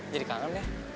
jadi kangen deh